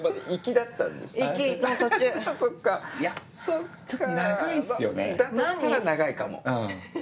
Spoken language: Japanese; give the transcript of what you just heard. だとしたら長いかもフフフ！